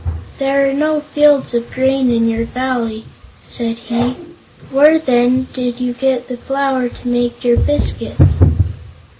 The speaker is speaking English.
"There are no fields of grain in your Valley," said he; "where, then, did you get the flour to make your biscuits?"